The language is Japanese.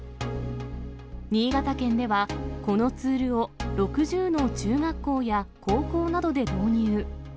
新潟県では、このツールを６０の中学校や高校などで導入。